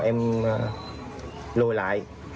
em lùi lại